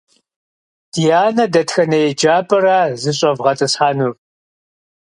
Дианэ дэтхэнэ еджапӏэра зыщӏэвгъэтӏысхьэнур?